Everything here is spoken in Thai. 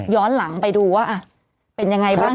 ย้อนหลังไปดูว่าเป็นอย่างไรบ้าง